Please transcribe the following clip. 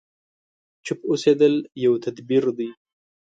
چوپ اوسېدل يو تدبير دی.